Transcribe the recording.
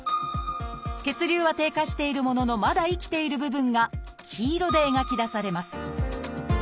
血流は低下しているもののまだ生きている部分が黄色で描き出されます。